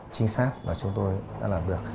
trinh sát mà chúng tôi đã làm được